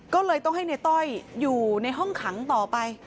ก็เลยต้องให้ในต้อยอยู่ในห้องขังต่อไป